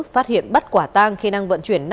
phát hiện bắt quả tàng khi đang vận chuyển